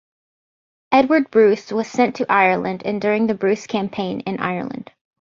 Edward Bruce was sent to Ireland and during the Bruce campaign in Ireland.